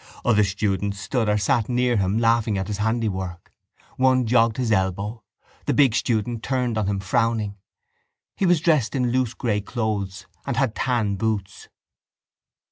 Other students stood or sat near him laughing at his handiwork. One jogged his elbow. The big student turned on him, frowning. He was dressed in loose grey clothes and had tan boots.